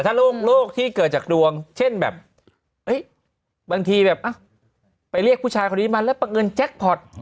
ถ้าโรคที่เกิดจากดวงเช่นแบบบางทีแบบไปเรียกผู้ชายคนนี้มาแล้วประเงินแจ็คพอร์ต